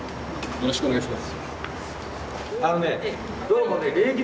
よろしくお願いします。